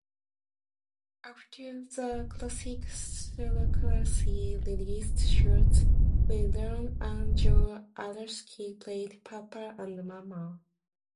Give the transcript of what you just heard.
After the classic theatrically-released shorts, Will Ryan and Joe Alaskey played Papa and Mama.